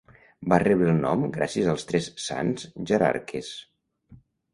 Va rebre el nom gràcies als Tres Sants Jararques.